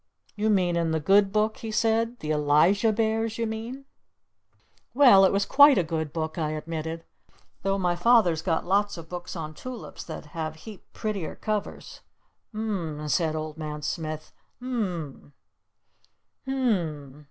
"You mean in the good book?" he said. "The Elijah bears, you mean?" "Well, it was quite a good book," I admitted. "Though my Father's got lots of books on Tulips that have heap prettier covers!" "U m m m," said Old Man Smith. "U m m m . U m m m."